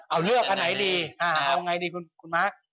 เอาเลือกอันไหนดีเอาไงดีคุณม้า